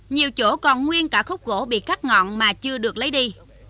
nhiều chỗ còn nguyên cả khúc gỗ bị cắt ngọn mà chưa được lấy đi